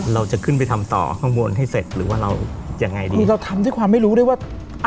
เราจะขึ้นไปทำต่อข้างบนให้เสร็จหรือว่าเรายังไงดีเราทำด้วยความไม่รู้ด้วยว่า